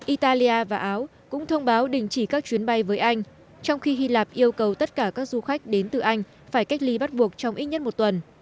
italia và áo cũng thông báo đình chỉ các chuyến bay với anh trong khi hy lạp yêu cầu tất cả các du khách đến từ anh phải cách ly bắt buộc trong ít nhất một tuần